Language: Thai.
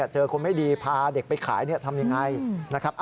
เจอคนไม่ดีพาเด็กไปขายทำยังไงนะครับ